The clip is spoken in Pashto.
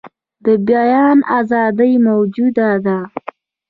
د بیان آزادي موجوده ده.